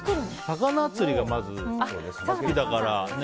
魚釣りがまず好きだから。